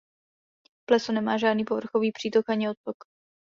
Pleso nemá žádný povrchový přítok ani odtok.